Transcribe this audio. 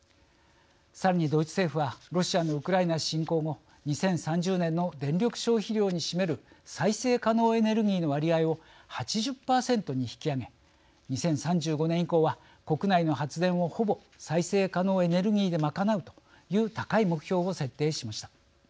さらにドイツ政府はロシアのウクライナ侵攻後２０３０年の電力消費量に占める再生可能エネルギーの割合を８０％に引き上げ２０３５年以降は国内の発電をほぼ再生可能エネルギーで賄うという高い目標を設定しました。